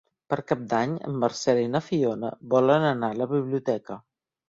Per Cap d'Any en Marcel i na Fiona volen anar a la biblioteca.